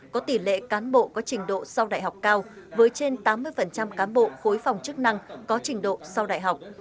có tỷ lệ cán bộ có trình độ sau đại học cao với trên tám mươi cán bộ khối phòng chức năng có trình độ sau đại học